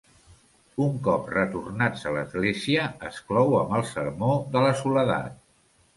Un cop retornats a l'església, es clou amb el sermó de la soledat.